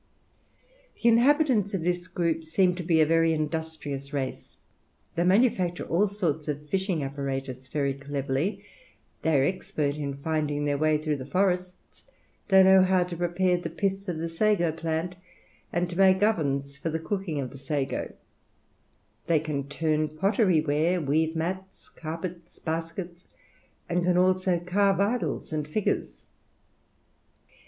The inhabitants of this group seem to be a very industrious race. They manufacture all sorts of fishing apparatus very cleverly; they are expert in finding their way through the forests; they know how to prepare the pith of the sago plant, and to make ovens for the cooking of the sago; they can turn pottery ware, weave mats, carpets, baskets, and can also carve idols and figures.